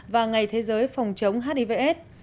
và ngày thế giới phòng chống hivs